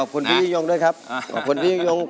ขอบคุณพี่ยิ่งยงด้วยครับขอบคุณพี่ยิ่งยง